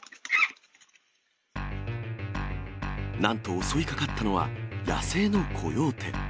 なんと襲いかかったのは野生のコヨーテ。